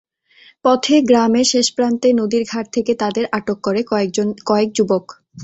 পথে গ্রামের শেষ প্রান্তে নদীর ঘাট থেকে তাদের আটক করে কয়েক যুবক।